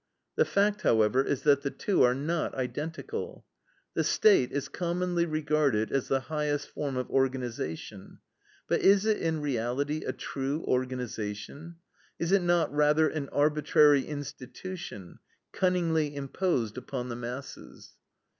The fact, however, is that the two are not identical. "The State is commonly regarded as the highest form of organization. But is it in reality a true organization? Is it not rather an arbitrary institution, cunningly imposed upon the masses?